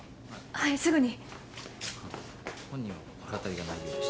はいすぐに。